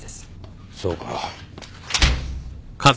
そうか。